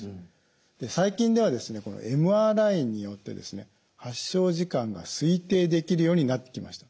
最近ではこのＭＲＩによってですね発症時間が推定できるようになってきました。